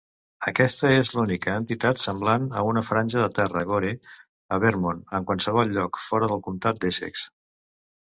Aquesta és l'única entitat semblant a una franja de terra "gore" a Vermont en qualsevol lloc fora del comtat d'Essex.